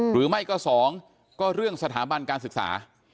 หรือไม่ก็๒ก็เรื่องสถาบันการศึกษา